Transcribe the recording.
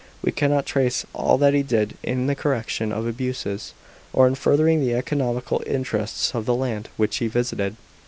We cannot trace all that he did in the correction of abuses, or in furthering the economical interests of the lands which he visited.